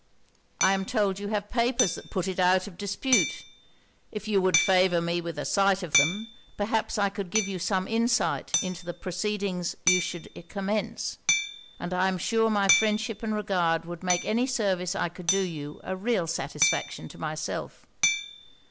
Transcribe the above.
'I am told you have papers that put it out of dispute. If you would favour me with a sight of them, perhaps I could give you some insight into the proceedings you should commence; and I am sure my friendship and regard would make any service I could do you a real satisfaction to myself.'